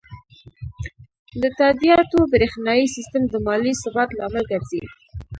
د تادیاتو بریښنایی سیستم د مالي ثبات لامل ګرځي.